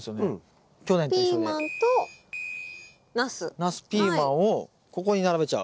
ナスピーマンをここに並べちゃう。